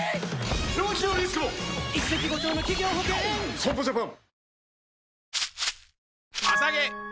損保ジャパン